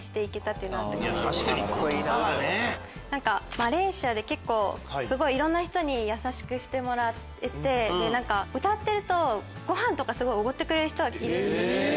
マレーシアで結構いろんな人に優しくしてもらえて歌ってるとごはんとかおごってくれる人がいるんです。